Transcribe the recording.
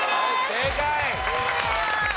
正解。